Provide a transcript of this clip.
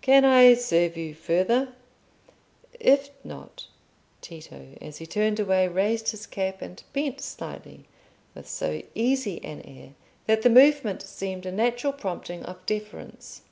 Can I serve you further? If not—" Tito, as he turned away, raised his cap and bent slightly, with so easy an air that the movement seemed a natural prompting of deference.